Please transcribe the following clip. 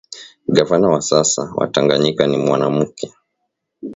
Gavana wa sasa wa tanganyika ni mwanamuke